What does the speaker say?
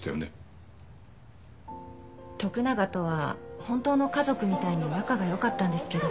徳永とは本当の家族みたいに仲が良かったんですけど。